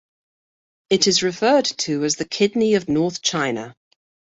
It is referred to as the Kidney of North China.